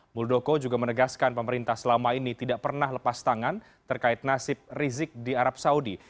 muldoko juga menegaskan pemerintah selama ini tidak pernah lepas tangan terkait nasib rizik di arab saudi